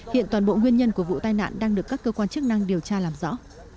hiện toàn bộ nguyên nhân của vụ tai nạn đang được các cơ quan chức năng điều tra làm rõ